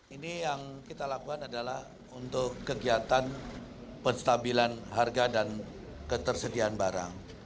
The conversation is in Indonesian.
ini yang kita lakukan adalah untuk kegiatan penstabilan harga dan ketersediaan barang